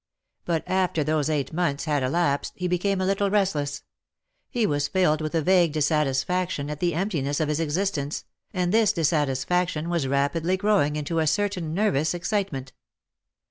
But after these eight months had elapsed, he became a little restless. He was filled with a vague dissatisfaction at the emptiness of his existence, and this dissatisfaction was rapidly growing into a certain nervous excitement.